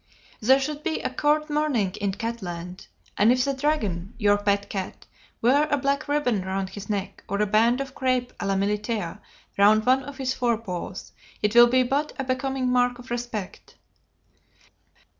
There should be a court mourning in Catland, and if the Dragon (your pet cat) wear a black ribbon round his neck, or a band of crape a la militaire round one of his fore paws it will be but a becoming mark of respect."